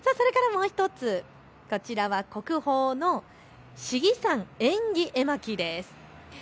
それからもう１つ、こちらは国宝の信貴山縁起絵巻です。